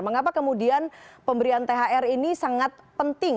mengapa kemudian pemberian thr ini sangat penting